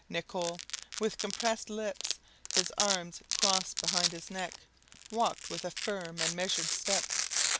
Nicholl, with compressed lips, his arms crossed behind his back, walked with a firm and measured step.